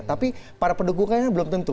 tapi para pendukungnya belum tentu